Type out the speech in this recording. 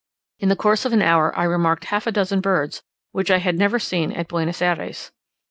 In the course of an hour I remarked half a dozen birds, which I had never seen at Buenos Ayres.